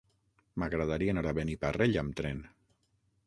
M'agradaria anar a Beniparrell amb tren.